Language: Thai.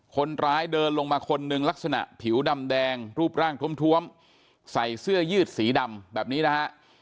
คนร้ายเดินลงมาคนหนึ่งลักษณะผิวดำแดงรูปร่างทวมใส่เสื้อยืดสีดำแบบนี้นะฮะ